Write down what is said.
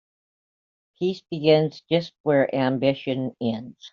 Peace begins just where ambition ends.